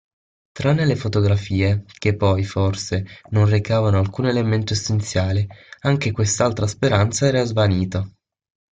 Tranne le fotografie – che poi, forse, non recavano alcun elemento essenziale – anche quest'altra speranza era svanita.